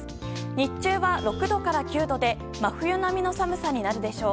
日中は６度から９度で真冬並みの寒さになるでしょう。